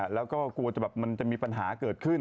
แล้วก็กลัวจะแบบมันจะมีปัญหาเกิดขึ้น